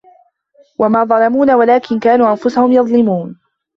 وَمَا ظَلَمُونَا وَلَٰكِنْ كَانُوا أَنْفُسَهُمْ يَظْلِمُونَ